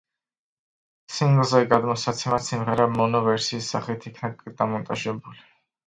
სინგლზე გამოსაცემად სიმღერა მონო ვერსიის სახით იქნა დამონტაჟებული.